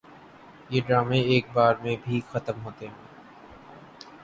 یہ ڈرامے ایک بار میں بھی ختم ہوتے ہیں